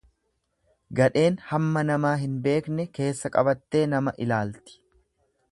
Gadheen hamma namaa hin beekne keessa qabattee nama ilaalti.